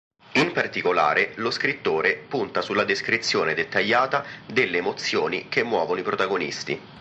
In particolare, lo scrittore punta sulla descrizione dettagliata delle emozioni che muovono i protagonisti.